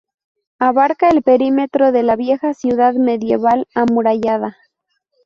Abarca el perímetro de la vieja ciudad medieval amurallada.